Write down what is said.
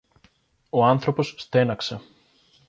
Ο άνθρωπος στέναξε.